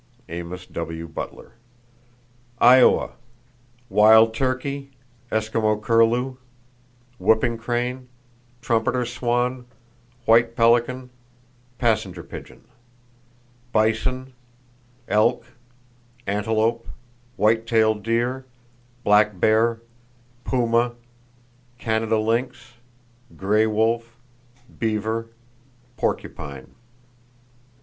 —(Amos W. Butler.) Iowa: Wild turkey, Eskimo curlew, whooping crane, trumpeter swan, white pelican, passenger pigeon; bison, elk, antelope, white tailed deer, black bear, puma, Canada lynx, gray wolf, beaver, porcupine.